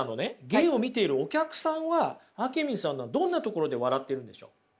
芸を見ているお客さんはあけみんさんのどんなところで笑ってるんでしょう？